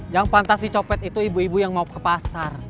yang pantas dicopet itu ibu ibu yang mau ke pasar